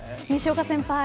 西岡先輩